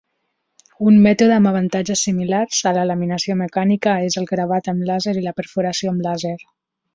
Un mètode amb avantatges similars a la laminació mecànica és el gravat amb làser i la perforació amb làser.